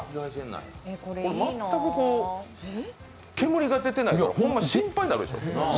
全く煙が出てないから、ホンマ心配になるでしょ。